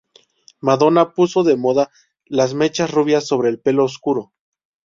Madonna puso de moda las mechas rubias sobre el pelo oscuro.